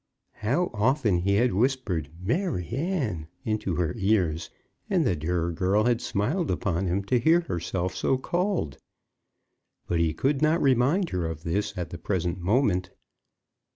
How often had he whispered "Maryanne" into her ears, and the dear girl had smiled upon him to hear herself so called! But he could not remind her of this at the present moment.